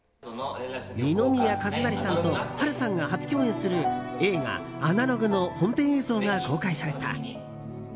二宮和也さんと波瑠さんが初共演する映画「アナログ」の本編映像が公開された。